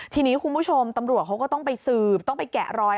ทีนี้คุณผู้ชมตำรวจเขาก็ต้องไปสืบต้องไปแกะรอย